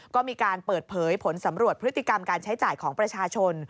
ก็มีการเปิดเผยผลสำรวจพฤติกรรมการใช้จ่ายของประชาชน